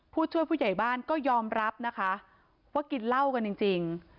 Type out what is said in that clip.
ผู้ช่วยผู้ใหญ่บ้านก็ยอมรับนะคะว่ากินเหล้ากันจริง